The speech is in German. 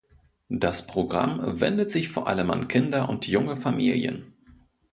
Das Programm wendet sich vor allem an Kinder und junge Familien.